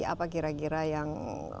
apa kira kira yang